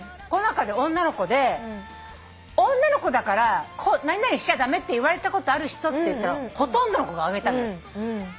「この中で女の子で女の子だから何々しちゃ駄目って言われたことある人」って言ったらほとんどの子が挙げたのよ。